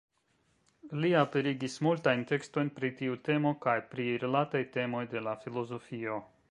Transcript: Li aperigis multajn tekstojn pri tiu temo kaj pri rilataj temoj de la filozofio.